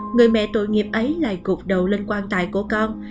người mẹ tội nghiệp ấy lại cuộc đầu lên quan tài của con